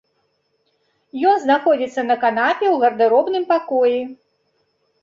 Ён знаходзіцца на канапе ў гардэробным пакоі.